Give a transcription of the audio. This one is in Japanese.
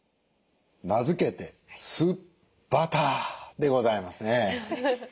名付けて「酢バター」でございますね。